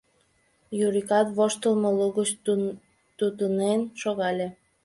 Юрикат воштылмо лугыч тутынен шогале.